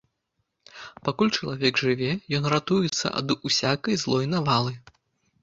Пакуль чалавек жыве, ён ратуецца ад усякай злой навалы.